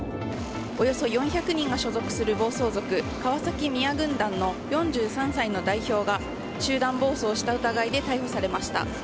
およそ４００人が所属する暴走族川崎宮軍団の４３歳の代表が集団暴走をした疑いで逮捕されました。